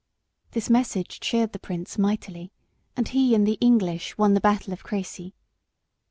This message cheered the Prince mightily, and he and the English won the battle of Creçy.